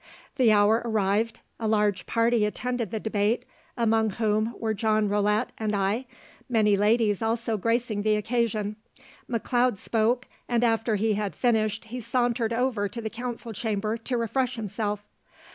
The hour arrived, a large party attended the debate, among whom were Joe Rolette and I, many ladies also gracing the occasion. McLeod spoke, and after he had finished, he sauntered over to the council chamber to refresh himself.